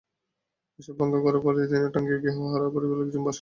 এসব ভাঙা ঘরের পাশে পলিথিন টাঙিয়ে গৃহহারা পরিবারের লোকজন বসবাস করছেন।